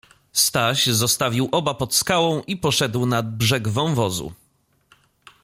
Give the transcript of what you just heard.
Staś zostawił oba pod skałą i poszedł nad brzeg wąwozu.